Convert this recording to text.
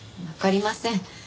わかりません。